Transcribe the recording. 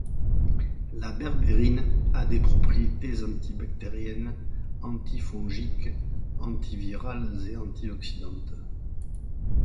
La berbérine a des propriétés antibactériennes, antifongiques, antivirales et antioxydantes.